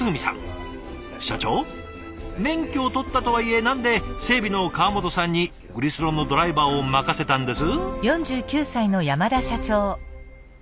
社長免許を取ったとはいえ何で整備の川本さんにグリスロのドライバーを任せたんです？